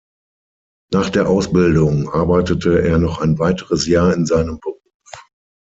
Nach der Ausbildung arbeitete er noch ein weiteres Jahr in seinem Beruf.